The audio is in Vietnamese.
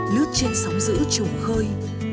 lướt trên sóng giữ trùng khơi